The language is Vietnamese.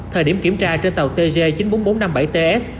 thời điểm kiểm tra trên tàu tg chín mươi bốn nghìn bốn trăm năm mươi bảy ts